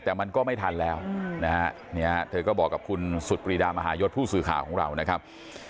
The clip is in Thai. แต่มันก็ไม่ทันแล้วนะฮะเนี่ยเธอก็บอกกับคุณสุดปรีดามหายศผู้สื่อข่าวของเรานะครับ